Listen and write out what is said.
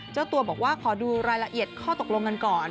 เจ้าตัวบอกว่าขอดูรายละเอียดข้อตกลงกันก่อน